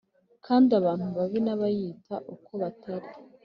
Kandi abantu babi n abiyita uko batari